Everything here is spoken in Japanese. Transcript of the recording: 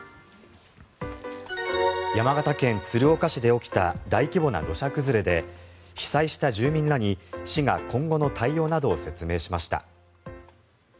山形県鶴岡市で起きた大規模な土砂崩れで被災した住民らに市が今後の対応などを説明しました。